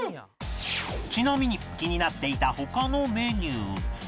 ちなみに気になっていた他のメニュー